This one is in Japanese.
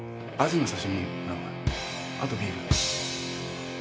あとビール。